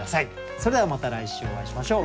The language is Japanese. それではまた来週お会いしましょう。